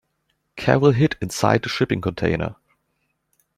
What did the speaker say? Carol hid inside the shipping container.